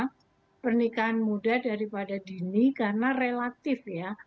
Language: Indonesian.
karena pernikahan muda daripada dini karena relatif ya